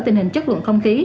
tình hình chất lượng không khí